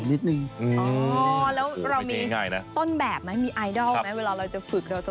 บ๊วยบ๊ายหรือโด่คร้าบ